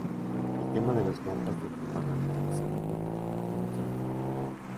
El tema de los mapas de propaganda es a menudo limítrofe.